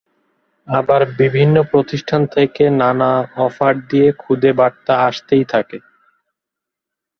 আবার বিভিন্ন প্রতিষ্ঠান থেকে নানা অফার দিয়ে খুদে বার্তা আসতেই থাকে।